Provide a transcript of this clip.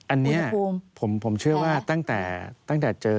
อันนี้ผมเชื่อว่าตั้งแต่เจอ